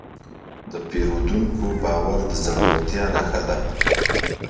د پیرودونکي باور د زړورتیا نښه ده.